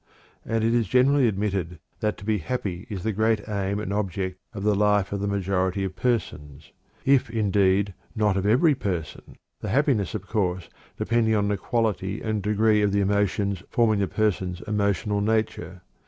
And it is generally admitted that to be happy is the great aim and object of the life of the majority of persons, if, indeed, not of every person, the happiness, of course, depending upon the quality and degree of the emotions forming the person's emotional nature.